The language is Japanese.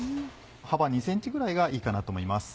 幅２ｃｍくらいがいいかなと思います。